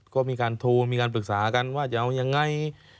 ก็มีการโทรมีการปรึกษากันว่าจะเอายังไง